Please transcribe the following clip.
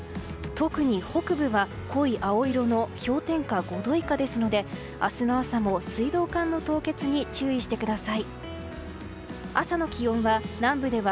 特に北部は濃い青色の氷点下５度以下ですので明日の朝も水道管の凍結に注意してください。